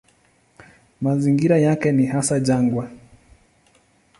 Mazingira yake ni hasa jangwa.